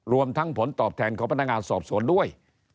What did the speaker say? รวมทั้งผลตอบแทนของพนักงานสอบสวนด้วย